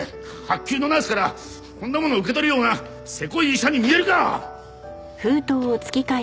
薄給のナースからこんなものを受け取るようなせこい医者に見えるか！